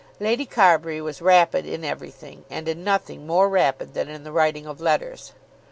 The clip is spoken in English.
Lady Carbury was rapid in everything, and in nothing more rapid than in the writing of letters.